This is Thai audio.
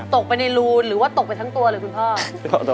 ตกไปในรูหรือว่าตกไปทั้งตัวเลยคุณพ่อ